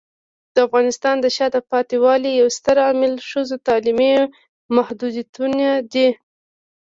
د افغانستان د شاته پاتې والي یو ستر عامل ښځو تعلیمي محدودیتونه دي.